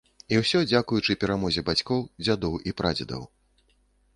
І ўсё дзякуючы перамозе бацькоў, дзядоў і прадзедаў.